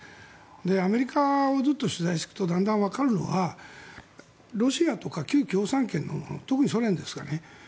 アメリカをずっと取材しているとだんだん分かるのはロシアとか旧共産圏の特にソ連ですかね。